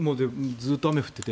ずっと雨降ってて。